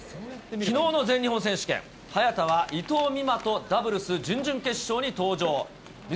きのうの全日本選手権、早田は伊藤美誠とダブルス準々決勝に登場。